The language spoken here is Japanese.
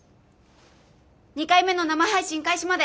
２回目の生配信開始まで